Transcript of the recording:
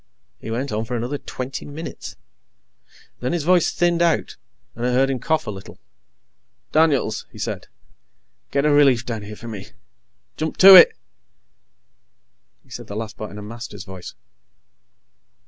He went on for another twenty minutes. Then his voice thinned out, and I heard him cough a little. "Daniels," he said, "get a relief down here for me. Jump to it!" He said the last part in a Master's voice.